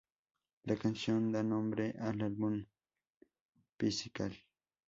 La canción da nombre al álbum, ‘"Physical"’.